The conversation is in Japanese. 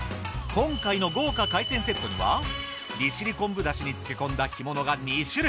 今回の豪華海鮮セットには利尻昆布出汁に漬け込んだ干物が２種類。